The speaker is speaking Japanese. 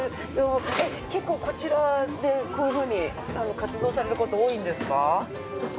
結構こちらでこういうふうに活動される事多いんですか？